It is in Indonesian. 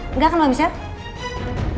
enggak kan mbak michelle